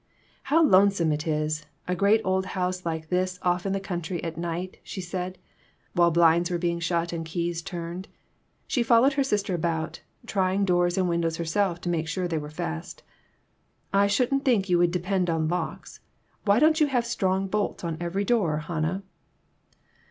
"How lonesome it is a great old house like this off in the country at night !" she said, while blinds were being shut and keys turned. She followed her sister about, trying doors and win dows herself to make sure they were fast. "I shouldn't think you would depend on locks. Why don't you have strong bolts on every door, Hannah